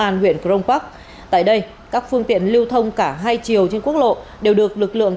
an huyện crong park tại đây các phương tiện lưu thông cả hai chiều trên quốc lộ đều được lực lượng